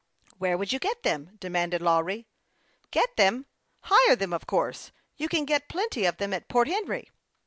" Where would you get them ?'' demanded Lawry. " Get them ? Hire them, of course. You can get plenty of them at Port Henry."